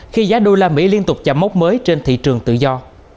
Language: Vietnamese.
khi giá đô la mỹ liên tục chạm mốc mới trên thị trường tự do